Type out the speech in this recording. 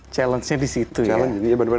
challengenya disitu ya